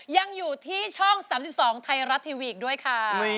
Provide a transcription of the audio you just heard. ยังอยู่ที่ช่อง๓๒ไทยรัฐทีวีอีกด้วยค่ะ